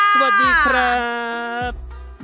สวัสดีครับ